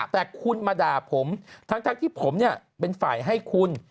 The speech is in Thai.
แต่คุณมาด่าผมทั้งที่ผมเป็นฝ่ายให้คุณ